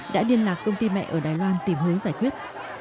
đã liên lạc công ty mẹ ở đài loan tìm hướng giải quyết